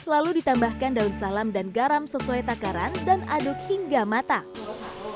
lalu ditambahkan daun salam dan garam sesuai takaran dan aduk hingga matang